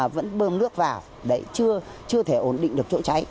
vẫn bơm nước vào đấy chưa thể ổn định được chỗ cháy